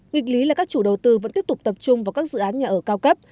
nghịch lý là các chủ đầu tư vẫn tiếp tục tập trung vào các dự án nhà ở cao cấp